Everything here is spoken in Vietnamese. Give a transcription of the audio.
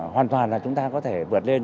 hoàn toàn là chúng ta có thể vượt lên